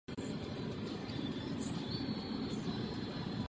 Chelsea se narodila ve Phoenixu v Arizoně.